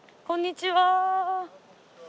こんにちは。